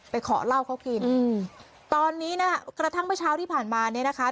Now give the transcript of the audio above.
ขอเหล้าเขากินอืมตอนนี้นะกระทั่งเมื่อเช้าที่ผ่านมาเนี่ยนะคะ